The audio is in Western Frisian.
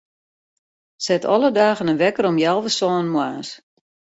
Set alle dagen in wekker om healwei sânen moarns.